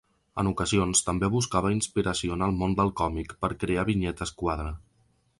En ocasions també buscava inspiració en el món del còmic per crear vinyetes-quadre.